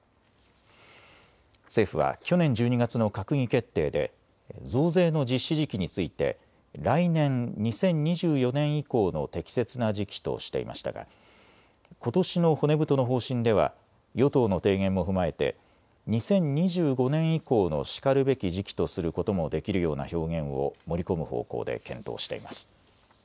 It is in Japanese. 政府は去年１２月の閣議決定で増税の実施時期について来年＝２０２４年以降の適切な時期としていましたがことしの骨太の方針では与党の提言も踏まえて２０２５年以降のしかるべき時期とすることもできるような表現を盛り込む方向で検討しています。